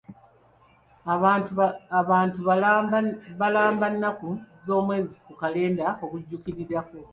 Abantu balamba nnaku z'omwezi ku kalenda okujjukirirako.